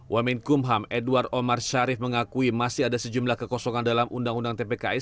wamin kumham edward omar syarif mengakui masih ada sejumlah kekosongan dalam undang undang tpki